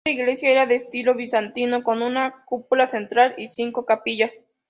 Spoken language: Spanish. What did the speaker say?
Esta iglesia era de estilo bizantino con una cúpula central y cinco capillas.